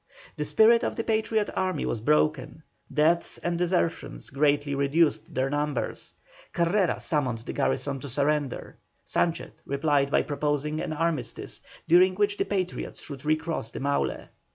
The spirit of the Patriot army was broken, deaths and desertions greatly reduced their numbers. Carrera summoned the garrison to surrender. Sanchez replied by proposing an armistice, during which the Patriots should recross the Maule.